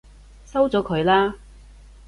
收咗佢啦！